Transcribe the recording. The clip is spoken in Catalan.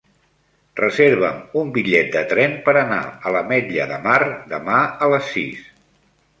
Reserva'm un bitllet de tren per anar a l'Ametlla de Mar demà a les sis.